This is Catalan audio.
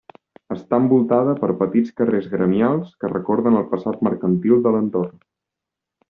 Està envoltada per petits carrers gremials que recorden el passat mercantil de l'entorn.